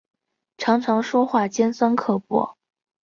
常常说话尖酸刻薄